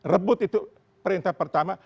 rebut itu perintah pertama